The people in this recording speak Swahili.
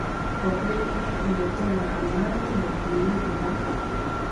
kwa kweli nchi inakuwa na amani na utulivu na